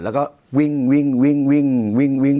แล้วก็วิ่งวิ่งวิ่ง